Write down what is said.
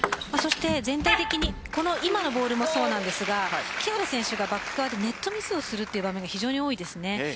全体的に今のボールもそうなんですが木原選手がバック側でネットミスをする場面が多いです。